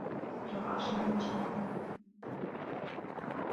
ذُو الْعَرْشِ الْمَجِيدُ